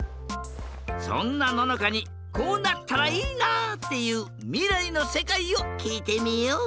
そんなののかにこうなったらいいなっていうみらいのせかいをきいてみよう！